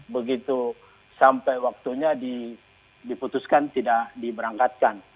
begitu sampai waktunya diputuskan tidak diberangkatkan